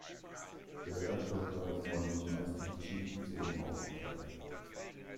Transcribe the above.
Der Reaktorkern ist räumlich meist in verschiedene Zonen aufgeteilt.